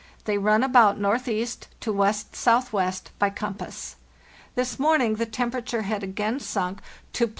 They run about northeast to west southwest (by compass). This morning the temperature had again sunk to +0.